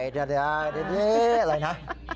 เดี๋ยวไหวเดี๋ยวอะไรนะ